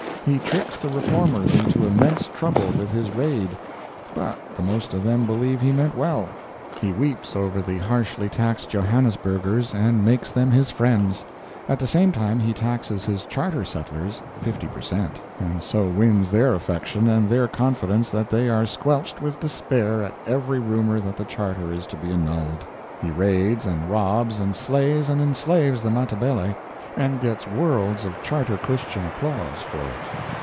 He tricks the Reformers into immense trouble with his Raid, but the most of them believe he meant well. He weeps over the harshly taxed Johannesburgers and makes them his friends; at the same time he taxes his Charter settlers 50 per cent., and so wins their affection and their confidence that they are squelched with despair at every rumor that the Charter is to be annulled. He raids and robs and slays and enslaves the Matabele and gets worlds of Charter Christian applause for it.